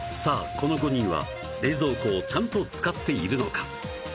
この５人は冷蔵庫をちゃんと使っているのか？